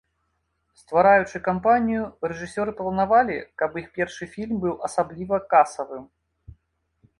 Ствараючы кампанію, рэжысёры планавалі, каб іх першы фільм быў асабліва касавым.